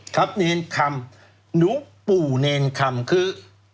ครับเนรคำหนูปู่เนรคำคือ